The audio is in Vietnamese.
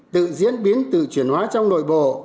tự diễn biến tự chuyển hóa trong nội bộ